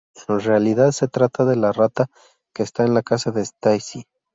En realidad se trata de la rata que está en la casa de Stacy.